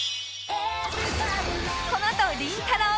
このあとりんたろー。